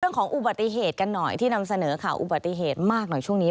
ของอุบัติเหตุกันหน่อยที่นำเสนอข่าวอุบัติเหตุมากหน่อยช่วงนี้